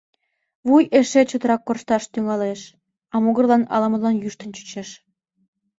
Вуй эше чотрак коршташ тӱҥалеш, а могырлан ала-молан йӱштын чучеш.